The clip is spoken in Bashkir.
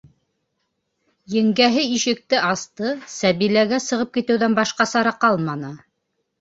- Еңгәһе ишекте асты, Сәбиләгә сығып китеүҙән башҡа сара ҡалманы...